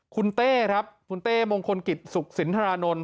คุณเต้ครับคุณเต้มงคลกิจสุขสินทรานนท์